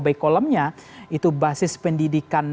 by column nya itu basis pendidikan